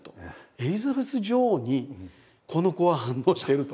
「エリザベス女王にこの子は反応してる」と。